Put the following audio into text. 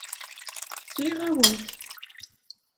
Sliɣ-awent.